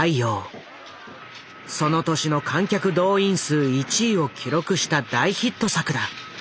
その年の観客動員数１位を記録した大ヒット作だ。